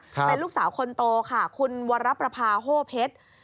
เป็นลูกสาวคนโตค่ะคุณวรประพาโฮเพชร